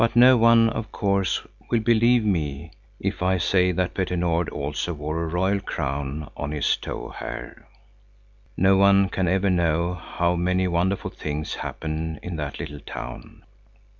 But no one, of course, will believe me if I say that Petter Nord also wore a royal crown on his tow hair. No one can ever know how many wonderful things happen in that little town.